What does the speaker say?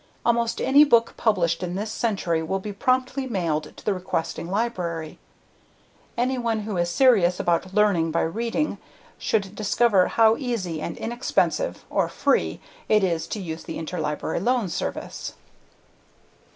Almost any book published in this century will be promptly mailed to the requesting library. Anyone who is serious about learning by reading should discover how easy and inexpensive (or free) it is to use the Interlibrary Loan Service.